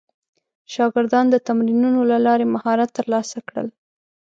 شاګردان د تمرینونو له لارې مهارت ترلاسه کړل.